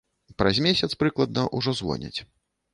Праз месяц прыкладна ўжо звоняць.